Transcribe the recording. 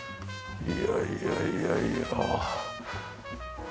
いやいやいやいや。